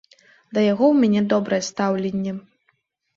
Да яго ў мяне добрае стаўленне.